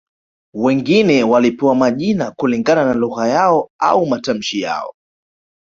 Wengine walipewa majina kulingana na lugha yao au matamshi yao